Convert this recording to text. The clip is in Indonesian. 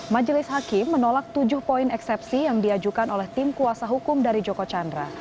majelis hakim menolak tujuh poin eksepsi yang diajukan oleh tim kuasa hukum dari joko chandra